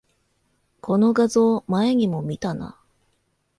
この画像、前にも見たな